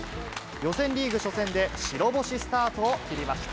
予選リーグ初戦で白星スタートを切りました。